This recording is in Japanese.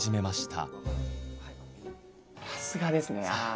さすがですね。